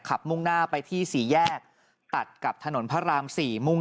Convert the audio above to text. มุ่งหน้าไปที่สี่แยกตัดกับถนนพระราม๔มุ่ง